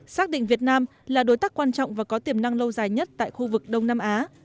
xác định việt nam là đối tác quan trọng và có tiềm năng lâu dài nhất tại khu vực đông nam á